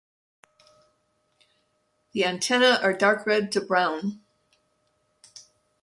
The antennae are dark red to brown.